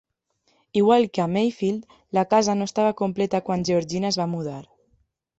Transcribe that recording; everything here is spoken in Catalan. Igual que a Mayfield, la casa no estava completa quan Georgiana es va mudar.